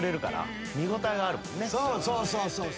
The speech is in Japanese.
そうそうそうそう。